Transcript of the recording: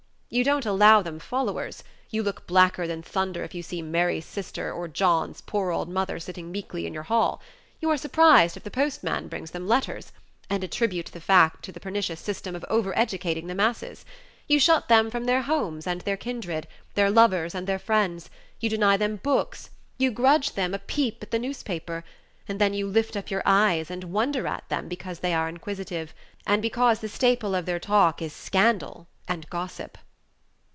You don't allow them followers; you look blacker than thunder if you see Mary's sister or John's poor old mother sitting meekly in your hall; you are surprised if the postman brings them letters, and attribute the fact to the pernicious system of over educating the masses; you shut them from their homes and their kindred, their lovers and their friends; you deny them books, you grudge them a peep at your newspaper, and then you lift up your eyes and wonder at them because they are inquisitive, and because the staple of their talk is scandal and gossip.